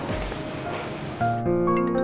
terima kasih pak